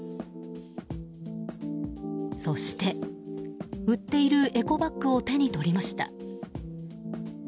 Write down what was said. そして、売っているエコバッグを手に取りました。